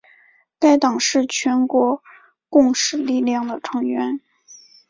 该党是全国共识力量的成员。